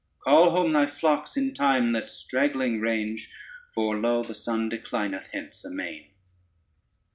Call home thy flocks in time that straggling range, For lo, the sun declineth hence amain.